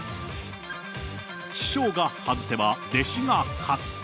師匠が外せば弟子が勝つ。